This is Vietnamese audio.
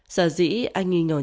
sở dĩ anh nghi ngờ nhận thức